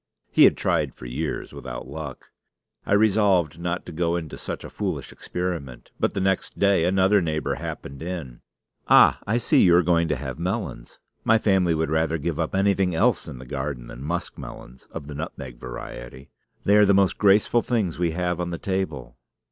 He had tried for years without luck. I resolved not to go into such a foolish experiment. But the next day another neighbor happened in. "Ah! I see you are going to have melons. My family would rather give up anything else in the garden than muskmelons of the nutmeg variety. They are the most graceful things we have on the table."